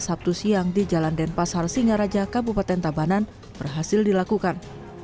sabtu siang di jalan denpasar singaraja kabupaten tabanan berhasil dilakukan